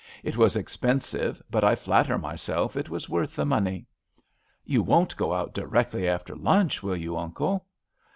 It was expensive, but I flatter myself it was worth the money." "You won't go out directly after lunch, will you. Uncle?"